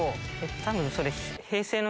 多分それ。